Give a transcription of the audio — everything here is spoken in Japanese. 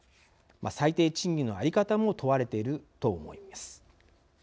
最低賃金の在り方も問われていると思います。